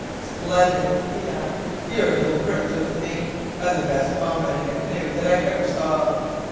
"Splendid!" he laughed. "You're a little brick, Josephine, and the best comrade in a canoe that I ever saw.